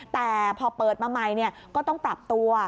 แต่พอเปิดมาใหม่ก็ต้องปรับตัว